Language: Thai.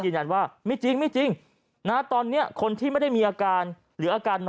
ยืนยันว่าไม่จริงไม่จริงนะตอนนี้คนที่ไม่ได้มีอาการหรืออาการน้อย